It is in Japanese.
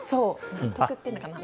納得っていうのかな。